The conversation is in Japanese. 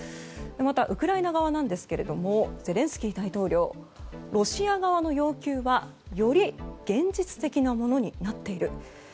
また、ウクライナ側なんですがゼレンスキー大統領ロシア側の要求はより現実的なものになっている。